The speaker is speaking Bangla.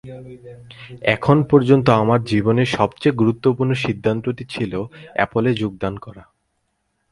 এখন পর্যন্ত আমার জীবনের সবচেয়ে গুরুত্বপূর্ণ সিদ্ধান্তটি ছিল অ্যাপলে যোগদান করা।